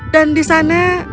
dan di sana